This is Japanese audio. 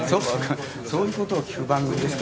そういうことを聞く番組ですか？